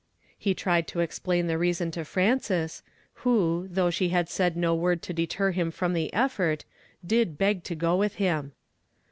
He tried to explain the reason to Frances, who, though she I id said no word to deter him from the effort, did beg to go with him.